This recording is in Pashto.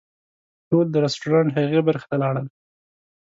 ټول د رسټورانټ هغې برخې ته لاړل.